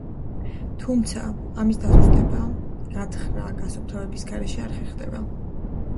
თუმცა, ამის დაზუსტება, გათხრა-გასუფთავების გარეშე არ ხერხდება.